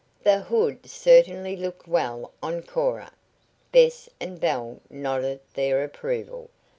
The hood certainly looked well on Cora. Bess and Belle nodded their approval.